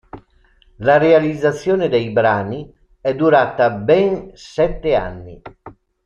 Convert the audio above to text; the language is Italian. La realizzazione dei brani è durata ben sette anni.